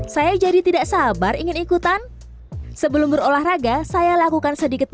saya jadi tidak sabar ingin ikutan sebelum berolahraga saya lakukan sedikit